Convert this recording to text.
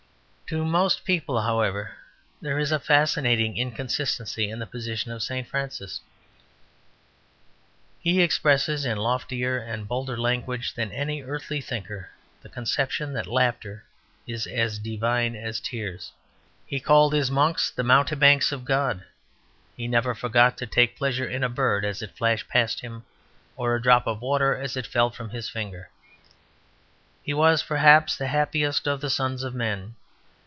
To most people, however, there is a fascinating inconsistency in the position of St Francis. He expressed in loftier and bolder language than any earthly thinker the conception that laughter is as divine as tears. He called his monks the mountebanks of God. He never forgot to take pleasure in a bird as it flashed past him, or a drop of water as it fell from his finger: he was, perhaps, the happiest of the sons of men.